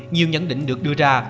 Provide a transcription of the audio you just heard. nhiều nhấn định được đưa ra